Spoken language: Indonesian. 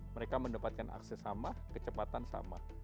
mereka mendapatkan akses sama kecepatan sama